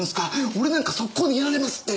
俺なんか速攻でやられますって。